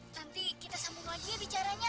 nanti kita sambung lagi ya bicaranya